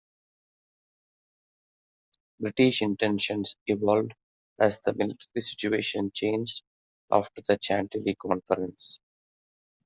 British intentions evolved as the military situation changed after the Chantilly Conference.